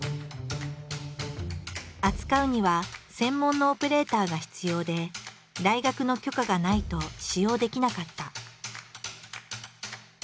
扱うには専門のオペレーターが必要で大学の許可がないと使用できなかった。